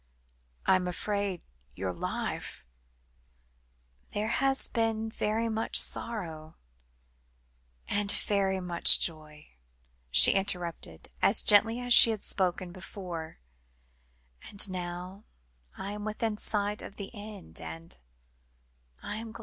"I am afraid your life " "There has been very much sorrow and very much joy," she interrupted, as gently as she had spoken before; "and now I am within sight of the end, and I am glad."